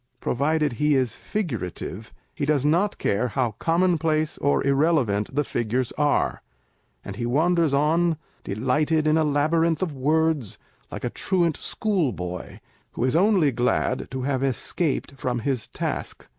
Provided he is figurative, he does not care how commonplace or irrelevant the figures are, and he wanders on, delighted in a labyrinth of words, like a truant schoolboy, who is only glad to have escaped from his task.